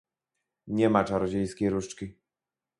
Nie ma czarodziejskiej różdżki